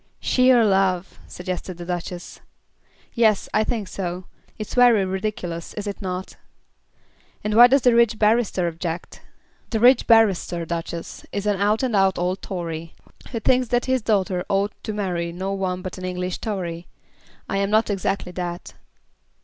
"Sheer love!" suggested the Duchess. "Yes, I think so. It's very ridiculous; is it not?" "And why does the rich barrister object?" "The rich barrister, Duchess, is an out and out old Tory, who thinks that his daughter ought to marry no one but an English Tory. I am not exactly that."